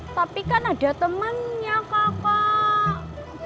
tapi kan ada temannya kakak